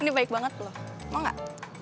ini baik banget loh mau gak